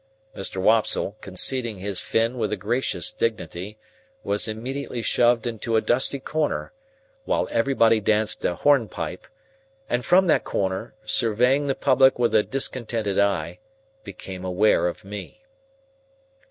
Mr. Wopsle, conceding his fin with a gracious dignity, was immediately shoved into a dusty corner, while everybody danced a hornpipe; and from that corner, surveying the public with a discontented eye, became aware of me.